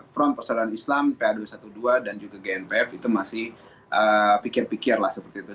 front persatuan islam ph dua ratus dua belas dan juga gnpf itu masih pikir pikir lah seperti itu